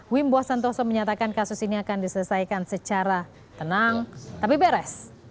wimbo santoso menyatakan kasus ini akan diselesaikan secara tenang tapi beres